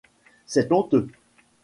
C'est honteux.